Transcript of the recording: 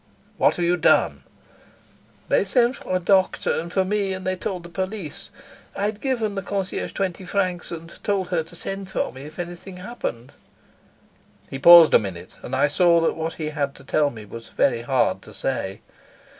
"What have you done?" "They sent for a doctor and for me, and they told the police. I'd given the concierge twenty francs, and told her to send for me if anything happened." He paused a minute, and I saw that what he had to tell me was very hard to say.